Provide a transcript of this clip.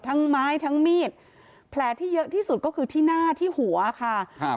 ไม้ทั้งมีดแผลที่เยอะที่สุดก็คือที่หน้าที่หัวค่ะครับ